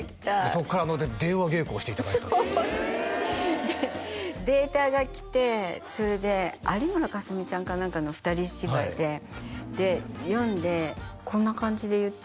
そっから電話稽古をしていただいたっていうデータが来てそれで有村架純ちゃんか何かの二人芝居でで読んで「こんな感じで言って」